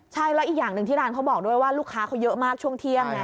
ใช่แล้วอีกอย่างหนึ่งที่ร้านเขาบอกด้วยว่าลูกค้าเขาเยอะมากช่วงเที่ยงไง